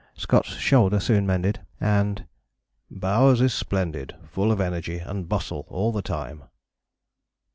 Scott's shoulder soon mended and "Bowers is splendid, full of energy and bustle all the time."